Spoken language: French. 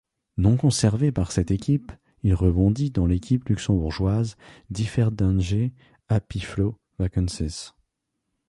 Non conservé par cette équipe, il rebondit dans l'équipe luxembourgeoise Differdange-Apiflo Vacances.